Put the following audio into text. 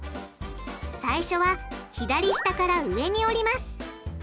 最初は左下から上に折ります。